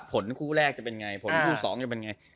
ผลคู่แรกจะเป็นไงผลคู่๒จะเป็นไง